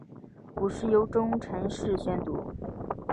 古时由中臣式宣读。